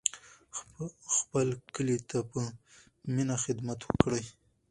خپل کلي ته په مینه خدمت وکړئ.